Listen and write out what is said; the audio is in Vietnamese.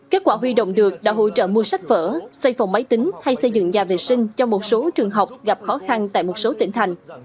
kết quả huy động được đã hỗ trợ mua sách vở xây phòng máy tính hay xây dựng nhà vệ sinh cho một số trường học gặp khó khăn tại một số tỉnh thành